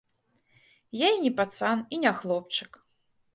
Я не пацан і не хлопчык.